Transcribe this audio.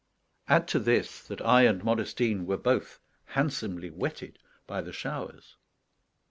Add to this, that I and Modestine were both handsomely wetted by the showers.